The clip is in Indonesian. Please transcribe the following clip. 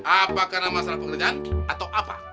apakah masalah pengajian atau apa